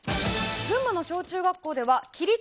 群馬の小中学校では起立！